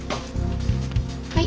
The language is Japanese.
はい。